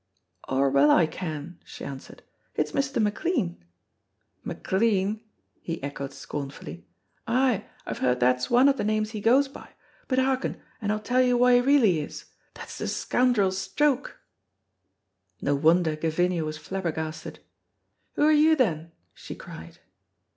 "Ower weel I ken," she answered, "it's Mr. McLean." "McLean!" he echoed scornfully, "ay, I've heard that's one of the names he goes by, but hearken, and I'll tell you wha he really is. That's the scoundrel Stroke!" No wonder Gavinia was flabbergasted. "Wha are you then?" she cried.